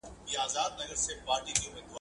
پنځه عددونه دي.